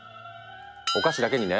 お菓子だけにね。